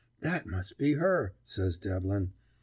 "That must be her," says Devlin.